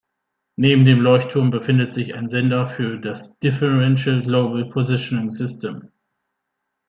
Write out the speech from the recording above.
Neben dem Leuchtturm befindet sich ein Sender für das Differential Global Positioning System.